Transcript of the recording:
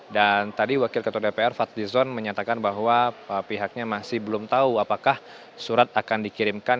dan tadi wakil ketua dpr fadlizon menyatakan bahwa pihaknya masih belum tahu apakah surat akan dikirimkan